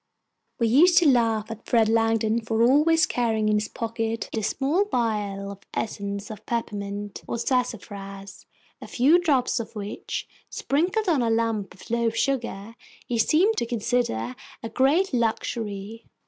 We used to laugh at Fred Langdon for always carrying in his pocket a small vial of essence of peppermint or sassafras, a few drops of which, sprinkled on a lump of loaf sugar, he seemed to consider a great luxury.